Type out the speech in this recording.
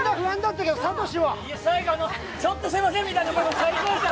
最後、「ちょっとすいません」みたいなところ最高でした。